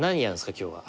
今日は。